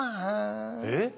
えっ？